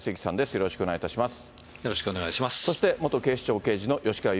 よろしくお願いします。